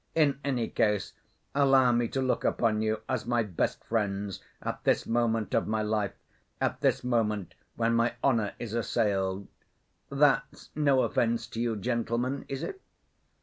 In any case, allow me to look upon you as my best friends at this moment of my life, at this moment when my honor is assailed. That's no offense to you, gentlemen, is it?"